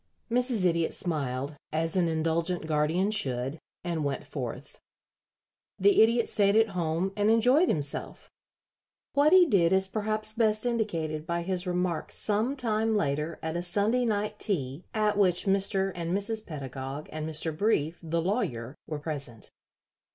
Mrs. Idiot smiled, as an indulgent guardian should, and went forth. The Idiot stayed at home and enjoyed himself. What he did is perhaps best indicated by his remarks some time later at a Sunday night tea at which Mr. and Mrs. Pedagog, and Mr. Brief, the lawyer, were present.